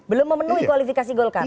belum memenuhi kualifikasi golkar